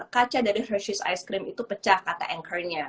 kaca dari versus ice cream itu pecah kata anchornya